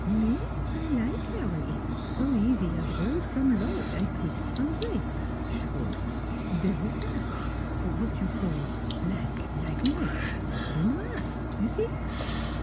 Me I like 'Arry; so easy as roll from log I queek translate: Sch wartz very dark, w'at you call black, like night Le Noir. You see